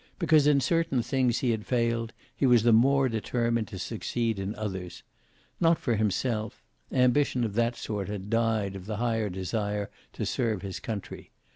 Because in certain things he had failed he was the more determined to succeed in others. Not for himself; ambition of that sort had died of the higher desire to serve his country.